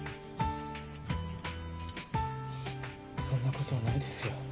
そんなことないですよ。